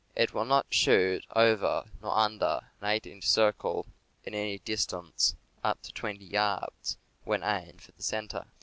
It will not shoot over nor under an eight inch circle at any distance up to 200 yards, when aimed for the center.